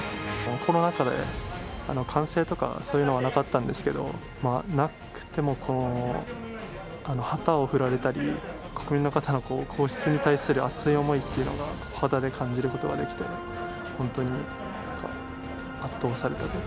コロナ禍で、歓声とかそういうのはなかったんですけど、なくても、旗を振られたり、国民の方の皇室に対する熱い思いというのが、肌で感じることができて、本当に圧倒されたというか。